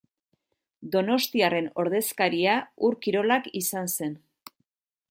Donostiarren ordezkaria Ur-Kirolak izan zen.